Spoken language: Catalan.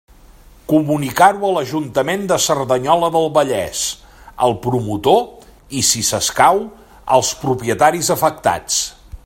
Comunicar-ho a l'Ajuntament de Cerdanyola del Vallès, al promotor i, si escau, als propietaris afectats.